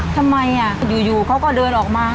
ทำไมอยู่เขาก็เดินออกมา